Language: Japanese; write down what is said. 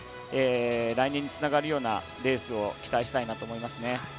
来年につながるようなレースを期待したいなと思いますね。